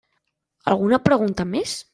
Alguna pregunta més?